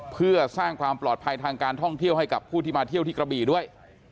เพื่อสร้างความปลอดภัยทางการท่องเที่ยวให้กับผู้ที่มาเที่ยวที่กระบี่ด้วย